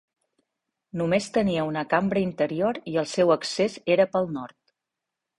Només tenia una cambra interior i el seu accés era pel nord.